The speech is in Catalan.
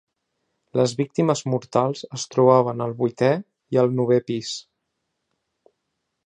Les víctimes mortals es trobaven al vuitè i al novè pis.